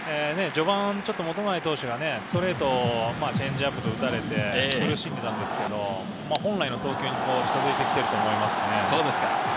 序盤、本前投手がストレート、チェンジアップと打たれて苦しんでいたんですけれど、本来の投球に近づいてきていると思いますね。